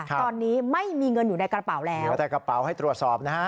ตอนนี้ไม่มีเงินอยู่ในกระเป๋าแล้วเหลือแต่กระเป๋าให้ตรวจสอบนะฮะ